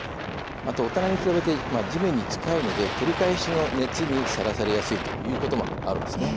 また大人に比べて地面に近いので照り返しの熱にさらされやすいということもあるんです。